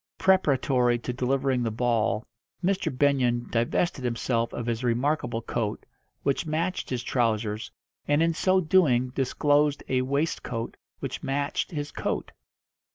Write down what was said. Preparatory to delivering the ball Mr. Benyon divested himself of his remarkable coat, which matched his trousers, and in so doing disclosed a waistcoat which matched his coat.